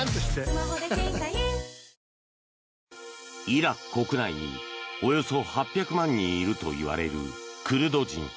イラク国内におよそ８００万人いるといわれるクルド人。